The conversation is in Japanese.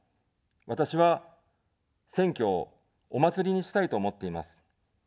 私は、選挙をお祭りにしたいと思っています。